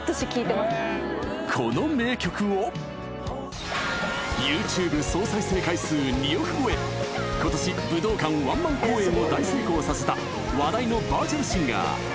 この名曲をＹｏｕＴｕｂｅ総再生回数２億超え今年武道館ワンマン公演を大成功させたさぁ